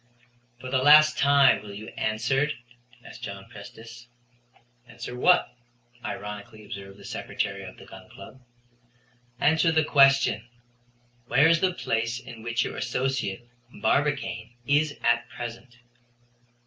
"For the last time will you answer?" asked John Prestice. "Answer what?" ironically observed the Secretary of the Gun Club. "Answer the question, where is the place in which your associate, Barbicane, is at present."